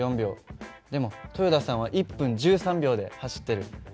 でも豊田さんは１分１３秒で走ってる。